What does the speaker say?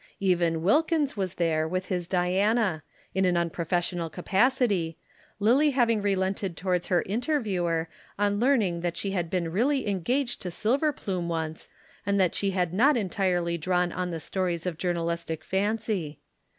Even Wilkins was there with his Diana, in an unprofessional capacity, Lillie having relented towards her interviewer on learning that she had been really engaged to Silverplume once and that she had not entirely drawn on the stores of journalistic fancy.